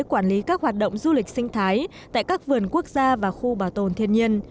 quản lý các hoạt động du lịch sinh thái tại các vườn quốc gia và khu bảo tồn thiên nhiên